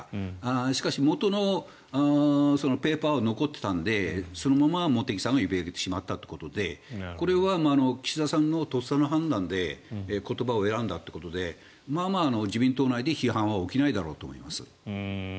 しかし元のペーパーは残っていたのでそのまま茂木さんが言ってしまったということでこれは岸田さんのとっさの判断で言葉を選んだということでまあまあ自民党内で批判は起きないだろうと思います。